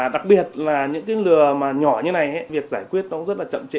đặc biệt là những cái lừa mà nhỏ như này việc giải quyết nó cũng rất là chậm trễ